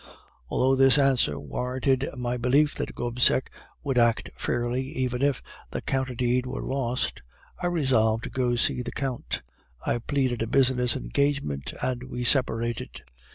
"Although this answer warranted my belief that Gobseck would act fairly even if the counter deed were lost, I resolved to go to see the Count. I pleaded a business engagement, and we separated.